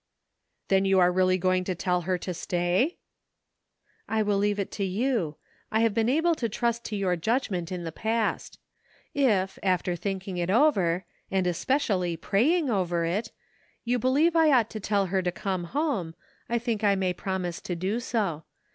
"Then you are really going to tell her to stay?" " I will leave it to you ; I have been able to trust to your judgment in the past. If, after thinking it over, and especially praying over it, you believe I ought to tell her to come home, I think I may promise to do so.